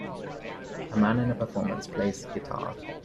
A man in a performance plays guitar.